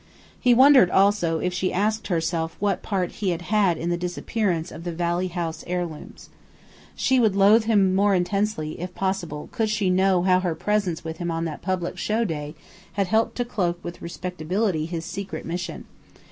He wondered also if she asked herself what part he had had in the disappearance of the Valley House heirlooms. She would loathe him more intensely, if possible, could she know how her presence with him on that public "show day" had helped to cloak with respectability his secret mission.